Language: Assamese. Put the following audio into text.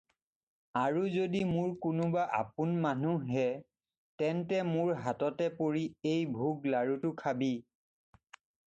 আৰু যাদি মোৰ কোনোবা আপোন মানুহহে তেন্তে মোৰ হাততে পৰি এই ভোক লাৰুটো খাবি।